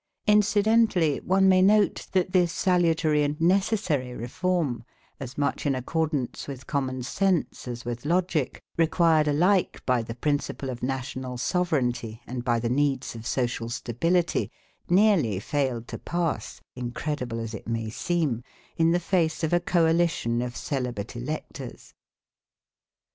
Incidentally one may note that this salutary and necessary reform, as much in accordance with common sense as with logic, required alike by the principle of national sovereignty and by the needs of social stability, nearly failed to pass, incredible as it may seem, in the face of a coalition of celibate electors.